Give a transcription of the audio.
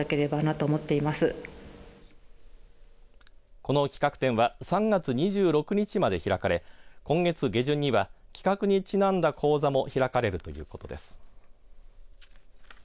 この企画展は３月２６日まで開かれ今月下旬には企画にちなんだ講座も開かれるということです。